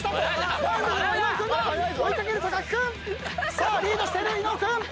さあリードしている伊野尾君